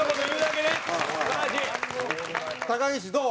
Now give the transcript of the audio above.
高岸どう？